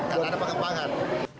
karena ada pengembangan